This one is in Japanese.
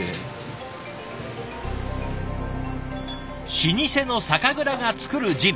老舗の酒蔵が作るジン。